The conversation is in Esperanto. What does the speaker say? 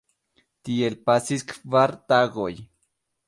Tiel pasis kvar tagoj.